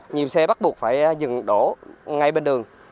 nhiều xe bắt buộc phải dừng đổ ngay bên đường